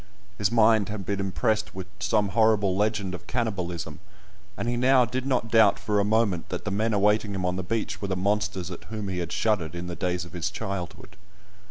His mind had been impressed with some horrible legend of cannibalism, and he now did not doubt for a moment that the men awaiting him on the beach were the monsters at whom he had shuddered in the days of his childhood.